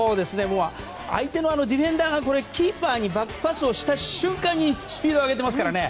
相手のディフェンダーがキーパーにバックパスをした瞬間にスピード上げてますからね。